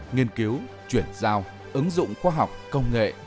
nghiên cứu chuyển giao ứng dụng khoa học công nghệ